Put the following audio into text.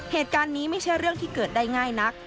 เหตุการณ์นี้ไม่ใช่เรื่องที่เกิดได้ง่ายนัก